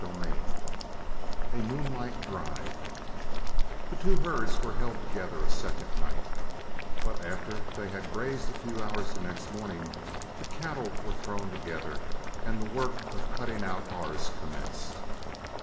CHAPTER XX A MOONLIGHT DRIVE The two herds were held together a second night, but after they had grazed a few hours the next morning, the cattle were thrown together, and the work of cutting out ours commenced.